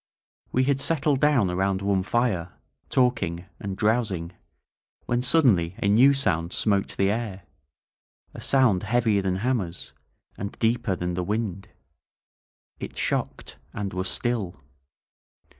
We had settled down around one fire, talking and drowsing, when suddenly a new sound smote the air — a sound heavier than hammers, and deeper than the wind. It shocked — and was still.